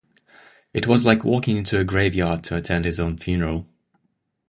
It was like walking into a graveyard to attend his own funeral.